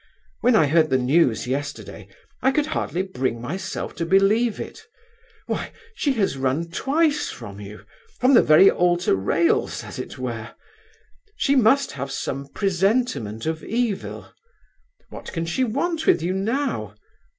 When I heard the news yesterday, I could hardly bring myself to believe it. Why, she has run twice from you, from the very altar rails, as it were. She must have some presentiment of evil. What can she want with you now?